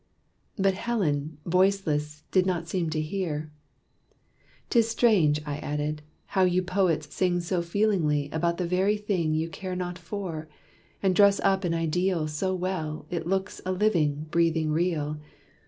But Helen, voiceless, did not seem to hear. "'Tis strange," I added, "how you poets sing So feelingly about the very thing You care not for! and dress up an ideal So well, it looks a living, breathing real!